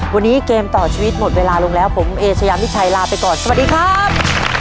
วันนี้เกมต่อชีวิตหมดเวลาลงแล้วผมเอเชยามิชัยลาไปก่อนสวัสดีครับ